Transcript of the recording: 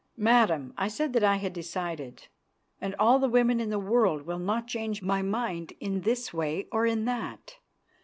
"Madam, I said that I had decided, and all the women in the world will not change my mind in this way or in that.